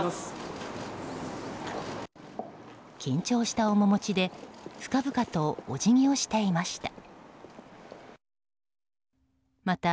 緊張した面持ちで深々とおじぎをしていました。